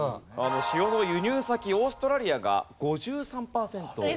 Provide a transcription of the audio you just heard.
塩の輸入先オーストラリアが５３パーセント。